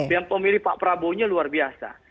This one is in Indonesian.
yang pemilih pak prabowo nya luar biasa